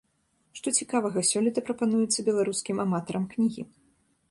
Што цікавага сёлета прапануецца беларускім аматарам кнігі?